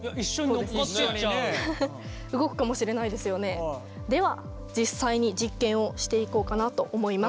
そのままそうするとでは実際に実験をしていこうかなと思います。